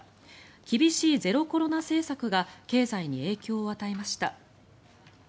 厳しいゼロコロナ政策が経済に影響を与えました。